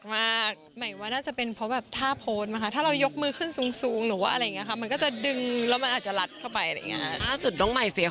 หมายว่าน่าจะเป็นเพราะแบบท่าโพสต์นะคะถ้าเรายกมือขึ้นสูงหรือว่าอะไรอย่างนี้ค่ะมันก็จะดึงแล้วมันอาจจะลัดเข้าไปอะไรอย่างนี้